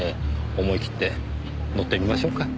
思いきって乗ってみましょうか。